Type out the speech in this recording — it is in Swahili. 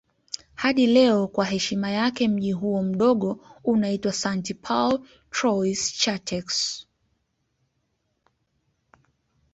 Hadi leo kwa heshima yake mji huo mdogo unaitwa St. Paul Trois-Chateaux.